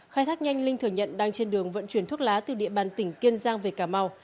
khai thác nhanh linh thừa nhận đang trên đường vận chuyển thuốc lá từ địa bàn tỉnh kiên giang về cà mau